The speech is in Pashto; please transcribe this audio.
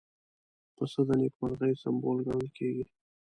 پسه د نېکمرغۍ سمبول ګڼل کېږي.